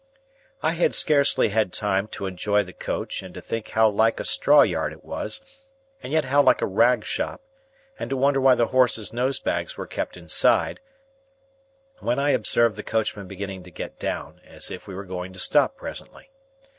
I had scarcely had time to enjoy the coach and to think how like a straw yard it was, and yet how like a rag shop, and to wonder why the horses' nose bags were kept inside, when I observed the coachman beginning to get down, as if we were going to stop presently.